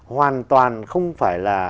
hoàn toàn không phải là